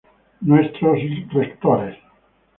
Nuestros Rectores.